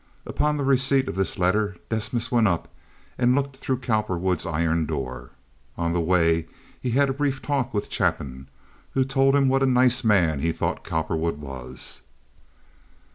Upon the receipt of this letter Desmas went up and looked through Cowperwood's iron door. On the way he had a brief talk with Chapin, who told him what a nice man he thought Cowperwood was.